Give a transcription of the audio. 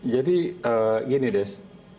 jadi gini des